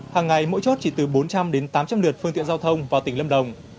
hàng ngày mỗi chốt chỉ từ bốn trăm linh đến tám trăm linh lượt phương tiện giao thông vào tỉnh lâm đồng